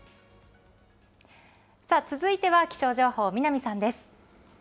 さあ、続いては気象情報、南さんです。